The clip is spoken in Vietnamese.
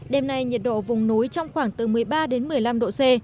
đêm nay nhiệt độ vùng núi trong khoảng từ một mươi ba đến một mươi năm độ c